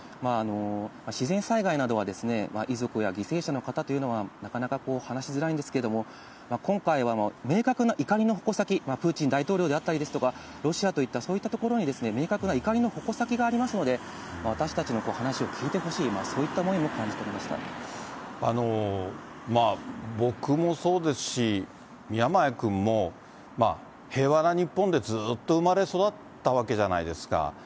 自然災害などは、遺族や犠牲者の方というのはなかなかこう、話しづらいんですけど、今回は明確な怒りの矛先、プーチン大統領だったりですとか、ロシアといったそういったところに明確な怒りの矛先がありますので、私たちの話を聞いてほしい、僕もそうですし、宮前君も平和な日本でずっと生まれ育ったわけじゃないですか。